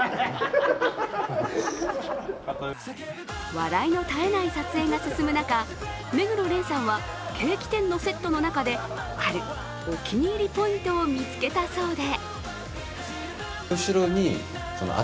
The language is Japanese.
笑いの絶えない撮影が進む中、目黒蓮さんはケーキ店のセットの中であるお気に入りポイントを見つけたそうで。